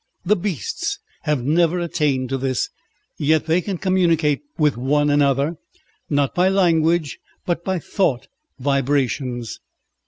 The beasts have never attained to this, yet they can communicate with one another, not by language, but by thought vibrations.